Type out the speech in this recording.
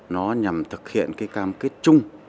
nó nhằm thực hiện cái cam kết chung